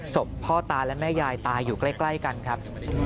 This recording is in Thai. ศพพ่อตาและแม่ยายตายอยู่ใกล้กันครับ